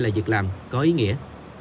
là việc làm có ý nghĩa